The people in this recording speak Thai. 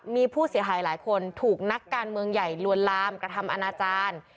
มีผู้เสียหายหลายคนถูกนักการเมืองใหญ่ลวนลามกระทำอนาจารย์